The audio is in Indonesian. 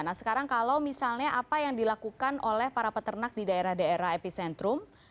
nah sekarang kalau misalnya apa yang dilakukan oleh para peternak di daerah daerah epicentrum